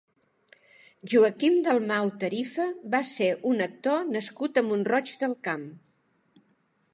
Joaquim Dalmau Tarifa va ser un actor nascut a Mont-roig del Camp.